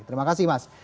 terima kasih mas